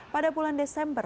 pada bulan desember